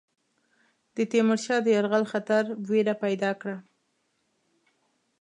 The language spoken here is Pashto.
د تیمور شاه د یرغل خطر وېره پیدا کړه.